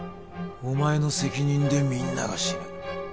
お前の責任でみんなが死ぬ。